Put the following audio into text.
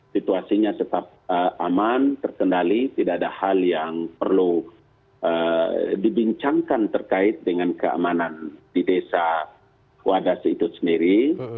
situasinya tetap aman terkendali tidak ada hal yang perlu dibincangkan terkait dengan keamanan di desa wadasi itu sendiri